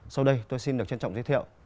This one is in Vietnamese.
sau đây tôi xin được trân trọng giới thiệu